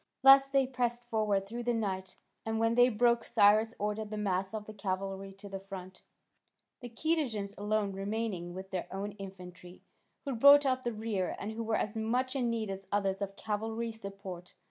Thus they pressed forward through the night, and when day broke Cyrus ordered the mass of the cavalry to the front, the Cadousians alone remaining with their own infantry, who brought up the rear, and who were as much in need as others of cavalry support.